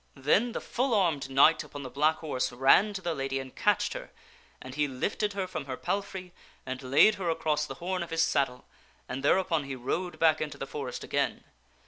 Then the full armed knight upon the black horse ran to the lady and catched her, and he lifted her from her palfrey and laid her across the horn of his saddle, and thereupon he rode back into the forest again.